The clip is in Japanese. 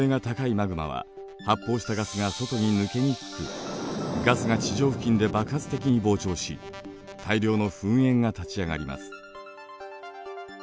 マグマは発泡したガスが外に抜けにくくガスが地上付近で爆発的に膨張し大量の噴煙が立ち上がります。